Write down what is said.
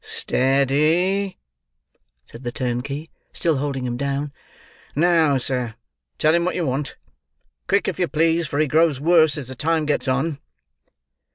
"Steady," said the turnkey, still holding him down. "Now, sir, tell him what you want. Quick, if you please, for he grows worse as the time gets on."